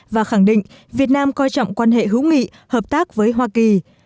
và khẳng định việt nam coi trọng quan hệ hữu nghị hợp tác với hoa kỳ